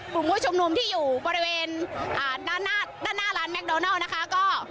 กลุ่มหู้ชมนุมที่อยู่บริเวณด้านหน้าร้านแมคโดนัลนะคะ